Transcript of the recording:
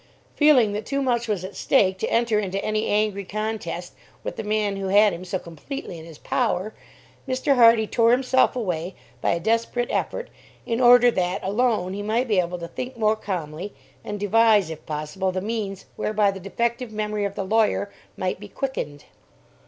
Feeling that too much was at stake to enter into any angry contest with the man who had him so completely in his power, Mr. Hardy tore himself away, by a desperate effort, in order that, alone, he might be able to think more calmly, and devise, if possible, the means whereby the defective memory of the lawyer might be quickened.